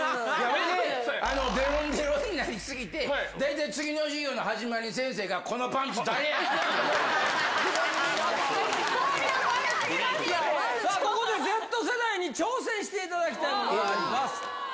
でろんでろんになり過ぎて、大体、次の授業の始まり、先生がここでＺ世代に挑戦していただきたいものがあります。